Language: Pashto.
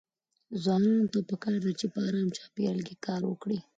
ځوانانو ته پکار ده چې په ارام چاپيريال کې کار وکړي.